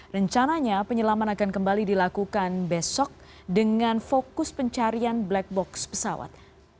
rencananya penyelaman akan kembali dilakukan besok dengan fokus pencarian black box pesawat